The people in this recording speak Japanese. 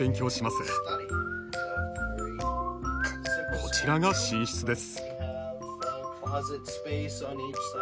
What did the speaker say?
こちらが寝室です。